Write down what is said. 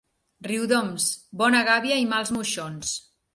Riudoms, bona gàbia i mals moixons.